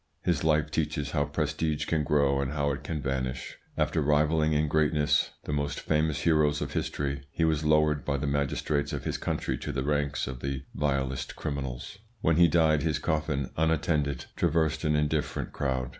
His life teaches how prestige can grow and how it can vanish. After rivalling in greatness the most famous heroes of history, he was lowered by the magistrates of his country to the ranks of the vilest criminals. When he died his coffin, unattended, traversed an indifferent crowd.